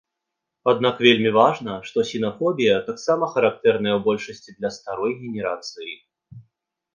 Аднак вельмі важна, што сінафобія таксама характэрная ў большасці для старой генерацыі.